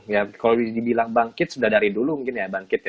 ya kalau dibilang bangkit sudah dari dulu mungkin ya bangkit ya